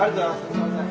すいません！